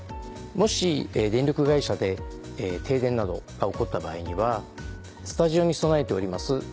もし電力会社で停電など起こった場合にはスタジオに備えております